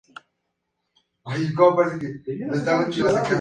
Durante este período Hill estaba trabajando en un álbum del grupo.